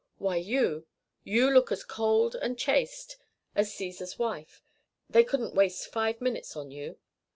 Why, you you look as cold and chaste as Cæsar's wife. They couldn't waste five minutes on you."